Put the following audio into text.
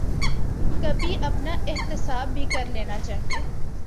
کبھی اپنا احتساب بھی کر لینا چاہیے۔